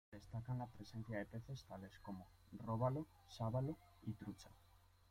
Se destacan la presencia de peces tales como: Róbalo, Sábalo y trucha.